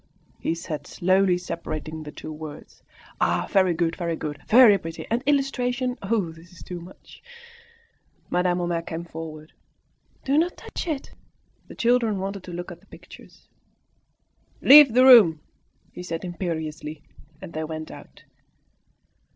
he said, slowly separating the two words. "Ah! very good! very good! very pretty! And illustrations! Oh, this is too much!" Madame Homais came forward. "No, do not touch it!" The children wanted to look at the pictures. "Leave the room," he said imperiously; and they went out.